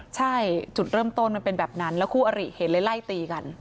ใช่จุดเริ่มต้นมันเป็นแบบนั้นแล้วคู่อริเห็นเลยไล่ตีกัน